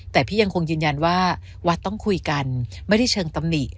แต่พี่ยังคงยืนยันว่าวัดต้องคุยกันไม่ได้เชิงตำหนิ